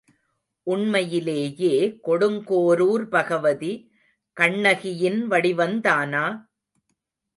உண்மையிலேயே கொடுங்கோரூர் பகவதி கண்ணகியின் வடிவந்தானா?